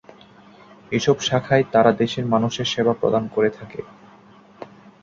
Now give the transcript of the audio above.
এসব শাখায় তারা দেশের মানুষের সেবা প্রদান করে থাকে।